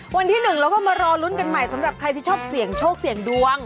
วันที่หนึ่งเราก็มารอลุ้นกันใหม่สำหรับใครที่ชอบเสี่ยงโชคเสี่ยงดวง